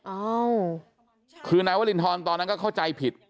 อ้าวคือนายวรินทรตอนนั้นก็เข้าใจผิด